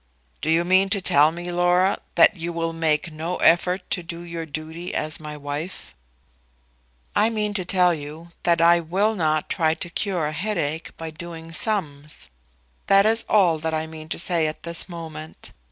"Do you mean to tell me, Laura, that you will make no effort to do your duty as my wife?" "I mean to tell you that I will not try to cure a headache by doing sums. That is all that I mean to say at this moment.